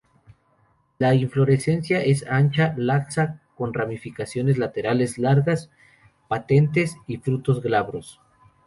La inflorescencia es ancha, laxa, con ramificaciones laterales largas, patentes y frutos glabros.